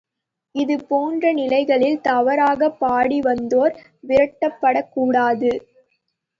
இதுபோன்ற நிலைகளில், தவறாகப் பாடி வந்தோர் விரட்டப்படக்கூடாது.